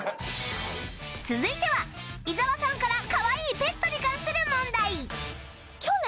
続いては井澤さんからかわいいペットに関する問題